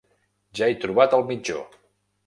Ja he trobat el mitjó.